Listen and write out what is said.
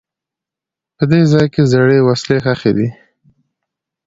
په دې ځای کې زړې وسلې ښخي دي.